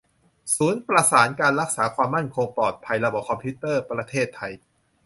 ศูนย์ประสานการรักษาความมั่นคงปลอดภัยระบบคอมพิวเตอร์ประเทศไทย